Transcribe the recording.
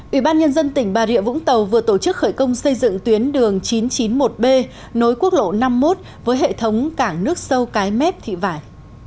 ủy ban nhân dân tỉnh bà rịa vũng tàu vừa tổ chức khởi công xây dựng tuyến đường chín trăm chín mươi một b nối quốc lộ năm mươi một với hệ thống cảng nước sâu cái mép thị vải